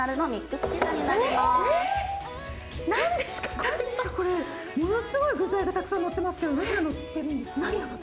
ものすごい具材がたくさんのってますけど何がのってるんですか？